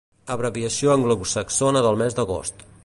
Abreviació anglosaxona del mes d'agost.